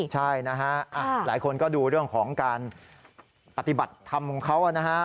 ใช่นะฮะหลายคนก็ดูเรื่องของการปฏิบัติธรรมของเขานะฮะ